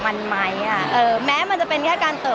มันเป็นเรื่องน่ารักที่เวลาเจอกันเราต้องแซวอะไรอย่างเงี้ย